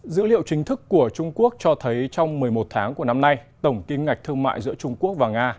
dữ liệu chính thức của trung quốc cho thấy trong một mươi một tháng của năm nay tổng kim ngạch thương mại giữa trung quốc và nga